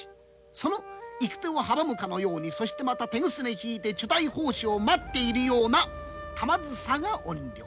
その行く手を阻むかのようにそしてまた手ぐすね引いて丶大法師を待っているような玉梓が怨霊。